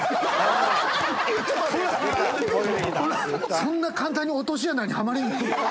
そんな簡単に落とし穴にはまりにくる？